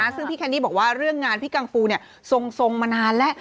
ซึ่งพี่แคนดี้บอกว่าเรื่องงานพี่กังฟูทรงมานานแล้ว